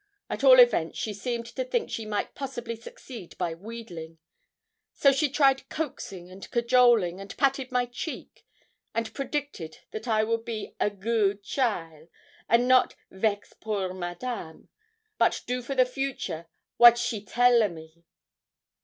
At all events, she seemed to think she might possibly succeed by wheedling; so she tried coaxing and cajoling, and patted my cheek, and predicted that I would be 'a good cheaile,' and not 'vex poor Madame,' but do for the future 'wat she tell a me.'